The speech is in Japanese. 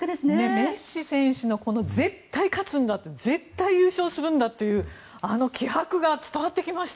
メッシ選手の絶対勝つんだ絶対優勝するんだというあの気迫が伝わってきました。